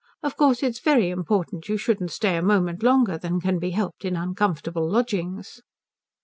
Of course it is very important you shouldn't stay a moment longer than can be helped in uncomfortable lodgings."